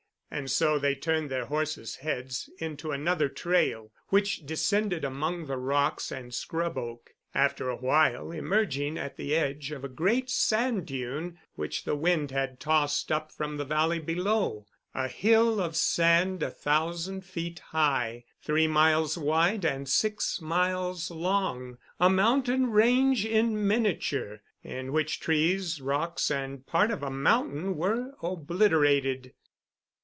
And so they turned their horses' heads into another trail, which descended among the rocks and scrub oak, after a while emerging at the edge of a great sand dune which the wind had tossed up from the valley below—a hill of sand a thousand feet high, three miles wide and six miles long, a mountain range in miniature, in which trees, rocks, and part of a mountain were obliterated.